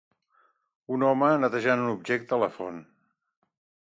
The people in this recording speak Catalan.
Un home netejant un objecte a la font.